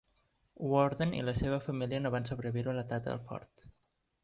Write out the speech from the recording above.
Warden i la seva família no van sobreviure a l'atac al fort.